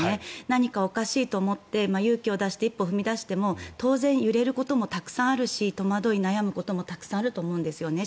何かおかしいと思って勇気を出して一歩踏み出しても当然、揺れることもたくさんあるし戸惑い悩むこともたくさんあると思うんですね。